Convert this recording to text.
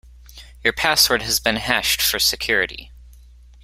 Your password has been hashed for security.